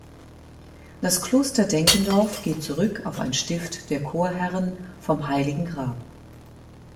Das Kloster Denkendorf geht zurück auf ein Stift der Chorherren vom Heiligen Grab.